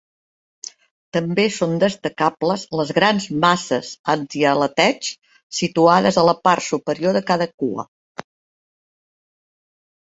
També són destacables les grans masses antialeteig situades a la part superior de cada cua.